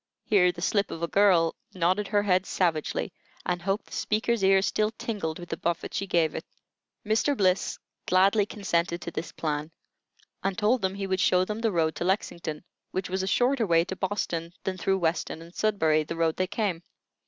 Here "the slip of a girl" nodded her head savagely, and hoped the speaker's ear still tingled with the buffet she gave it. Mr. Bliss gladly consented to this plan, and told them he would show them the road to Lexington, which was a shorter way to Boston than through Weston and Sudbury, the road they came.